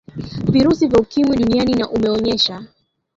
virusi vya ukimwi duniani na umeonyesha